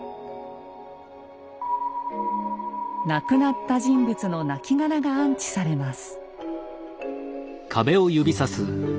亡くなった人物のなきがらが安置されます。